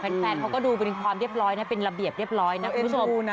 แฟนเขาก็ดูเป็นความเรียบร้อยนะเป็นระเบียบเรียบร้อยนะคุณผู้ชม